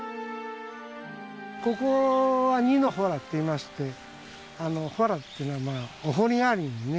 ここは二ノ洞といいまして洞っていうのはお堀代わりにね。